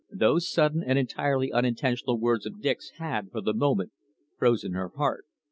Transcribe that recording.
Those sudden and entirely unintentional words of Dick's had, for the moment, frozen her heart.